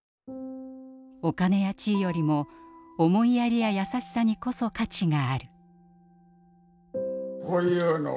お金や地位よりも思いやりや優しさにこそ価値がある。